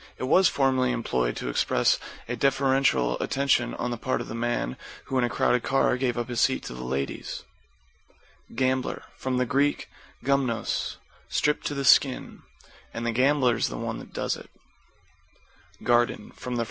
It was formerly employed to express a deferential attention on the part of the man who in a crowded car gave up his seat to the ladies. =GAMBLER= From the Grk. gumnos, stripped to the skin. And the gambler's the one that does it. =GARDEN= From the Fr.